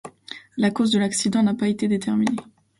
La cause de l'accident n'a pas été déterminée.